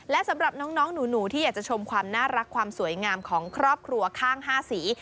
และสำหรับน้องหนูที่อยากจะชมความน่ารักความสวยงามของครอบครัวข้าง๕สี